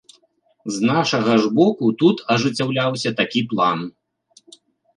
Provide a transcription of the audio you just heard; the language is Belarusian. З нашага ж боку тут ажыццяўляўся такі план.